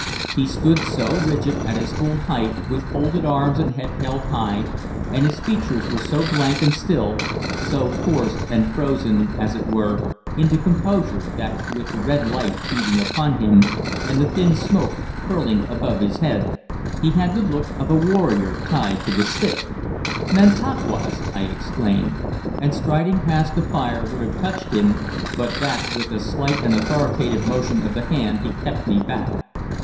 He stood so rigid, at his full height, with folded arms and head held high, and his features were so blank and still, so forced and frozen, as it were, into composure, that, with the red light beating upon him and the thin smoke curling above his head, he had the look of a warrior tied to the stake. "Nantauquas!" I exclaimed, and striding past the fire would have touched him but that with a slight and authoritative motion of the hand he kept me back.